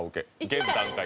現段階で。